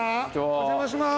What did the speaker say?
お邪魔します。